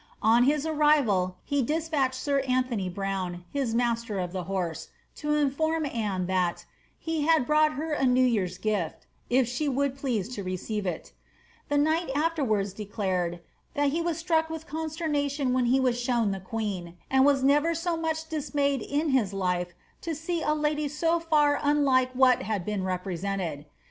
On hia arrival he despatched air Antony Browne, his master of the horse, to inform Anne that ^ he had brought her a new year's gift, if she would please to receive it" The knight afterwards declared, ^ that he was stmck with conslemap tion when he was shown the queen, and was never so much dismayed in his life as to see a lady so far unlike what had been represented.''